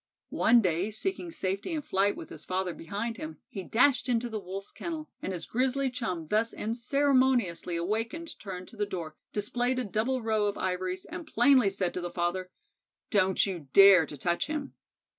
One day, seeking safety in flight with his father behind him, he dashed into the Wolf's kennel, and his grizzly chum thus unceremoniously awakened turned to the door, displayed a double row of ivories, and plainly said to the father: "Don't you dare to touch him."